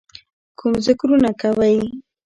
کوم ذِکرونه کوئ،